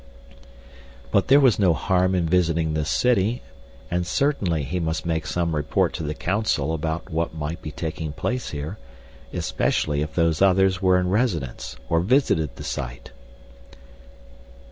But there was no harm in visiting this city, and certainly he must make some report to the Council about what might be taking place here, especially if Those Others were in residence or visited the site.